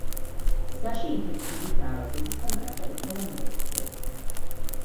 გზაში ინფექციური დაავადებისგან გარდაეცვალა მეუღლე.